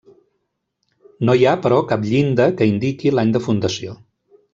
No hi ha però cap llinda que indiqui l'any de fundació.